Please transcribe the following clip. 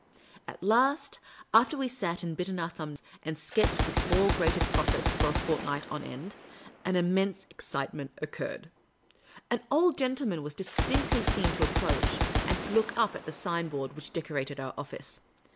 At last, after we had sat, and bitten our thumbs, and sketched the Four Greater Prophets for a fortnight on end, an innnense excitement occurred. An old gentleman was distinctly seen to approach and to look up at the sign board which decorated our office.